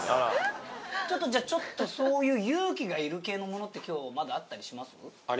ちょっとじゃあそういう勇気がいる系のものって今日まだあったりします？